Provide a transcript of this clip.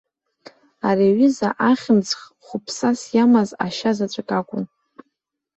Ари аҩыза ахьымӡӷ хәыԥсас иамаз ашьа заҵәык акәын.